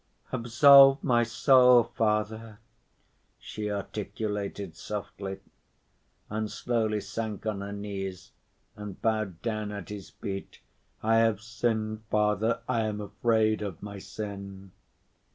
"Absolve my soul, Father," she articulated softly, and slowly sank on her knees and bowed down at his feet. "I have sinned, Father. I am afraid of my sin."